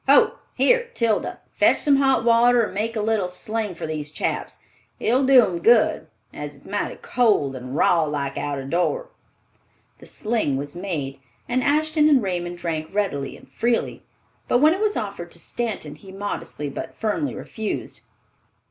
Ho! Here, Tilda, fetch some hot water and make a little sling for these chaps. It'll do 'em good, as it's mighty cold and raw like out o' door." The sling was made, and Ashton and Raymond drank readily and freely; but when it was offered to Stanton, he modestly but firmly refused.